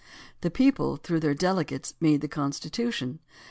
The people, through their delegates, made the Con stitution.